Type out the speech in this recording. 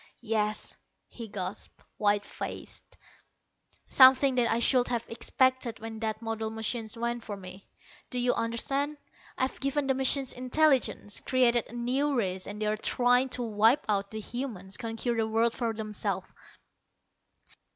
"Yes," he gasped, white faced, "something that I should have expected when that model machine went for me. Do you understand? I've given the machines intelligence, created a new race, and they are trying to wipe out the humans; conquer the world for themselves.